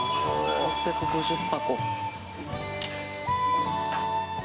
６５０箱。